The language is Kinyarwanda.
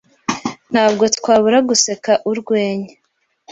Ntabwo twabura guseka urwenya.